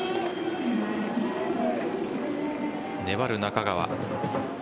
粘る中川。